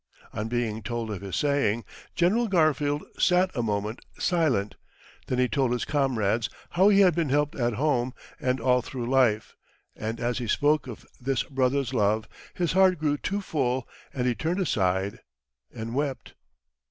On being told of his saying, General Garfield sat a moment silent, then he told his comrades how he had been helped at home, and all through life; and as he spoke of this brother's love, his heart grew too full, and he turned aside and wept.